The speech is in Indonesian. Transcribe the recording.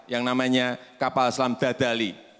yang namanya kapal selam dadali